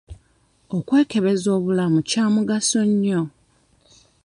Okwekebeza obulamu Kya mugaso nnyo.